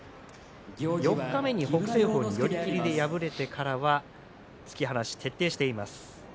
四日目に北青鵬に寄り切りで敗れてからは突き放し、徹底しています。